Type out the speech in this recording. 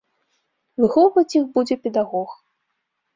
Выхоўваць іх будзе педагог.